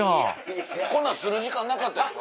こんなんする時間なかったでしょ